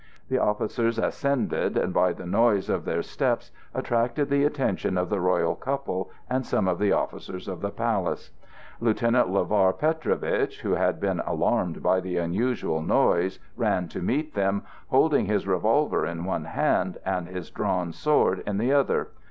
The officers ascended and, by the noise of their steps, attracted the attention of the royal couple and some of the officers of the palace. Lieutenant Lavar Petrovitch, who had been alarmed by the unusual noise, ran to meet them, holding his revolver in one hand, and his drawn sword in the other.